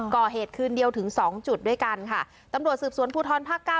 คืนเดียวถึงสองจุดด้วยกันค่ะตำรวจสืบสวนภูทรภาคเก้า